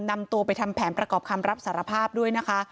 นำตัวไปทำแผนประกอบคำรับสารภาพด้วยนะคะ